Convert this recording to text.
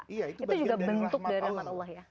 itu juga bentuk dari rahmat allah ya